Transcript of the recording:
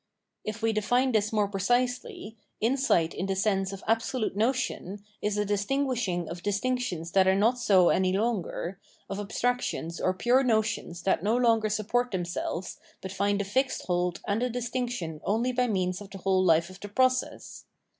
If we define this more precisely, insight in the sense of absolute notion is a distinguishing of distinc tions that are not so any longer, of abstractions or pure notions that no longer support themselves but find a fixed hold and a distinction only by means of the whole hfe of the process.